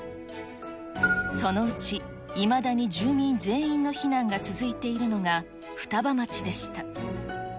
そのうち、いまだに住民全員の避難が続いているのが双葉町でした。